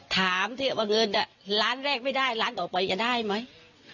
ถามที่ว่าเงินล้านแรกไม่ได้ร้านต่อไปจะได้ไหม